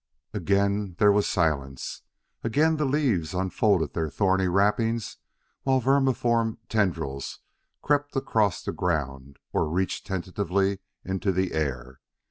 Again there was silence; again the leaves unfolded their thorny wrappings while vermiform tendrils crept across the ground or reached tentatively into the air.